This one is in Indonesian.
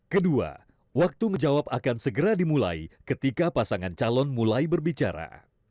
kedua waktu menjawab akan segera dimulai ketika pasangan calon mulai berbicara